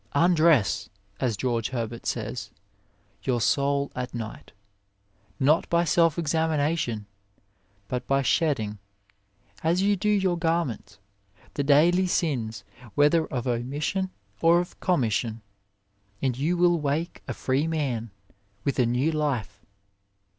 "Undress," as George Herbert says, "your soul at night," not by self examination, but by shedding, as you do your garments, the daily sins whether of omission or of commission, and you will wake a free man, with a new life.